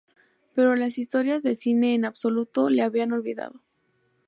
Pero las historias del cine en absoluto le habían olvidado.